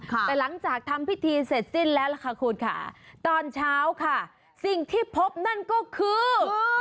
แต่หลังจากทำพิธีเสร็จสิ้นแล้วล่ะค่ะคุณค่ะตอนเช้าค่ะสิ่งที่พบนั่นก็คือ